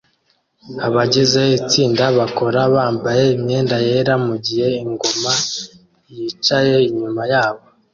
Abagize itsinda bakora bambaye imyenda yera mugihe ingoma yicaye inyuma yabo